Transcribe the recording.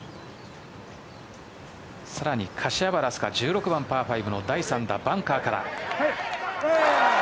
さらに柏原明日架１６番パー５の第３打バンカーから。